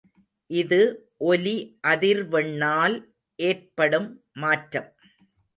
இது ஒலி அதிர்வெண்ணால் ஏற்படும் மாற்றம்.